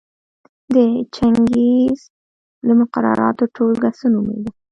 د چنګیز د مقرراتو ټولګه څه نومېده؟